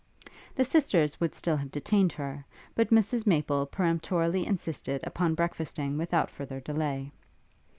The sisters would still have detained her, but Mrs Maple peremptorily insisted upon breakfasting without further delay.